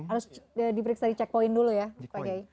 harus diperiksa di cek poin dulu ya pak gai